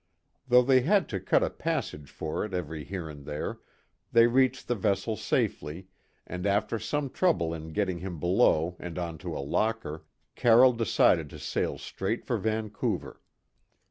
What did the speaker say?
Though they had to cut a passage for it every here and there, they reached the vessel safely, and after some trouble in getting him below and on to a locker, Carroll decided to sail straight for Vancouver.